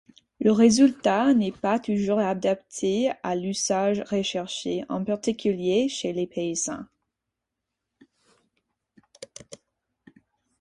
Le résultat n'est pas toujours adapté à l'usage recherché, en particulier chez les paysans.